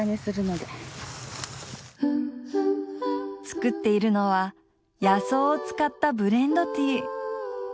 作っているのは野草を使ったブレンドティー。